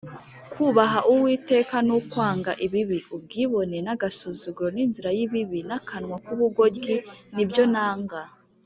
“kubaha uwiteka ni ukwanga ibibi; ubwibone n’agasuzuguro n’inzira y’ibibi n’akanwa k’ubugoryi ni byo nanga